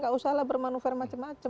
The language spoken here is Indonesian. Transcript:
nggak usahlah bermanuver macam macam